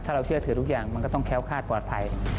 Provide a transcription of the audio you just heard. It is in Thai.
ถ้าเราเชื่อถือทุกอย่างมันก็ต้องแค้วคาดปลอดภัย